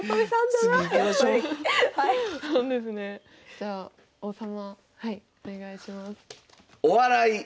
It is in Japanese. じゃあ王様はいお願いします。